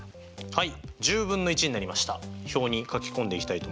はい。